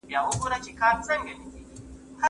که ته مطالعه ونه کړې نو مقاله نسې لیکلی.